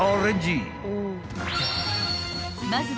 ［まずは］